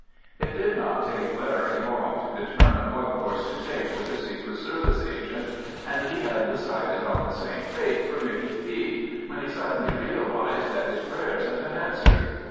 It did not take Larry long to determine what course to take with the Secret Service agent, and he had decided on the same fate for Micky Fee, when he suddenly realised that his prayers had been answered.